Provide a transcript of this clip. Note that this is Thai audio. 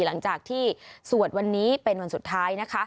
หลังจากที่สวดวันนี้เป็นวันสุดท้ายนะคะ